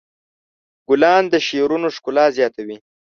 ګلان د شعرونو ښکلا زیاتوي.